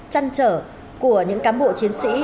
chăn trở của những cám bộ chiến sĩ